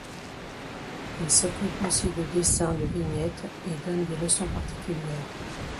Il s'occupe aussi de dessin de vignettes et donne des leçons particulières.